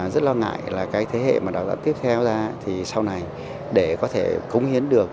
rất lo ngại là cái thế hệ mà đào tạo tiếp theo ra thì sau này để có thể cống hiến được